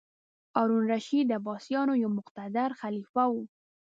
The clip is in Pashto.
هارون الرشید د عباسیانو یو مقتدر خلیفه و.